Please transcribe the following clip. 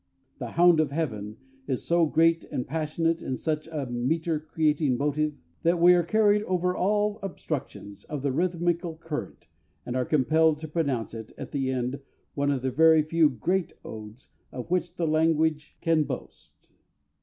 The Hound of Heaven has so great and passionate and such a metre creating motive, that we are carried over all obstructions of the rhythmical current, and are compelled to pronounce it, at the end, one of the very few "great" odes of which the language can boast.